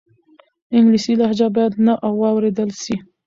انګلیسي لهجه باید نه واورېدل سي.